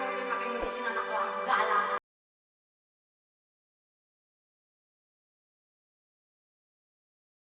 kamu lah yang osman